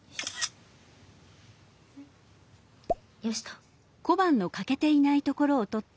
よしと。